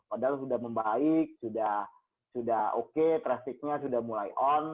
padahal sudah membaik sudah oke trafficnya sudah mulai on